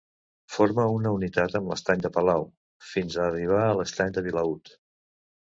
Forma una unitat amb l'estany de Palau, fins a arribar a l'estany de Vilaüt.